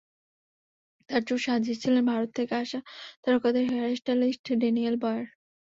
তাঁর চুল সাজিয়েছিলেন ভারত থেকে আসা তারকা হেয়ার স্টাইলিস্ট ড্যানিয়েল বয়ার।